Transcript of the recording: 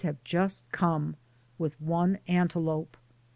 have just come with one antelope.